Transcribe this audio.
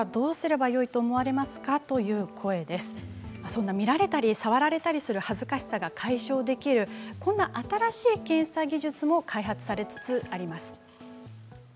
そんな見られたり触られたりする恥ずかしさが解消できるこんな新しい検査技術も開発されつつあります。